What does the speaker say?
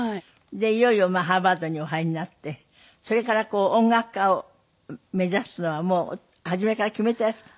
でいよいよハーバードにお入りになってそれから音楽家を目指すのはもう初めから決めてらした？